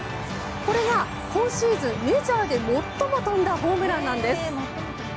これは今シーズン最も飛んだホームランなんです。